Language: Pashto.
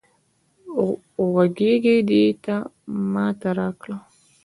غوږيکې دې ماته راکړه